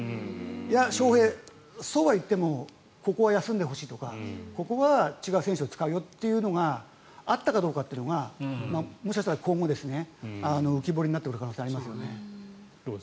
翔平、そうはいってもここは休んでほしいとかここは違う選手を使うよというのがあったかどうかというのがもしかしたら今後浮き彫りになってくる可能性はありますね。